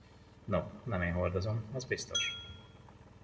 No, nem én hordozom, az biztos!